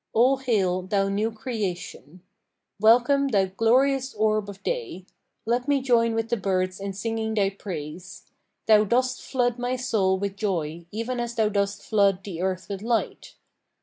All hail, thou new creation! Welcome, thou glorious orb of day! Let me join with the birds in singing thy praise. Thou dost flood my soul with joy even as thou dost flood the earth with light.